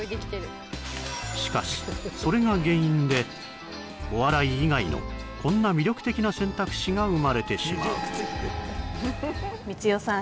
しかしそれが原因でお笑い以外のこんな魅力的な選択肢が生まれてしまう光代さん